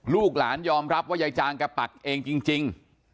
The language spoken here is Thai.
ลูกหลานยอมรับว่ายายจางแกปักเองจริง